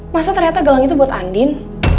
masa ternyata gelang itu buat andin